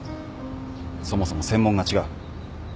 そもそも専門が違う。